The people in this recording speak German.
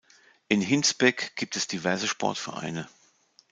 In Hinsbeck gibt es diverse Sportvereine.